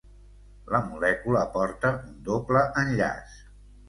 La molècula porta un doble enllaç.